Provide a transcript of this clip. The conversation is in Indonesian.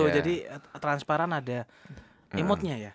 jadi transparan ada emotenya ya